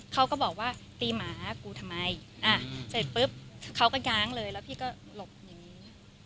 เขาก็บอกว่าตีหมากูทำไมเสร็จปุ๊บเขาก็ย้างเลยแล้วพี่ก็หลบอย่างนี้